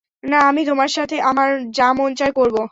না, আমি তোমার সাথে আমার যা মন চায় করব।